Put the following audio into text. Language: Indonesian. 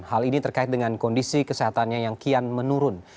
hal ini terkait dengan kondisi kesehatannya yang kian menurun